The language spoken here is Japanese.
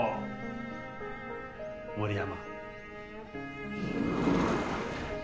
森山。